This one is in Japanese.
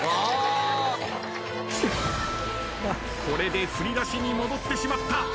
これで振り出しに戻ってしまった。